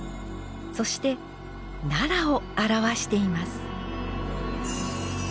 そして奈良を表しています。